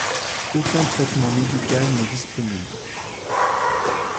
Aucun traitement médical n'est disponible.